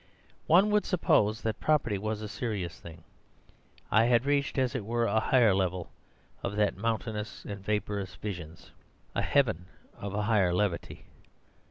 One would suppose that property was a serious thing. I had reached, as it were, a higher level of that mountainous and vapourous visions, the heaven of a higher levity.